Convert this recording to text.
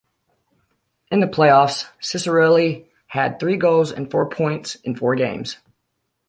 In the playoffs, Ciccarelli had three goals and four points in four games.